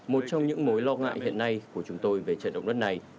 một trong những mối lo ngại hiện nay của chúng tôi về trận động đất này